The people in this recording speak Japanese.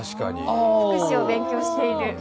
福祉を勉強している。